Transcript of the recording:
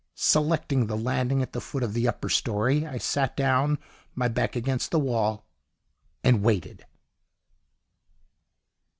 Selecting the landing at the foot of the upper storey, I sat down, my back against the wall and waited.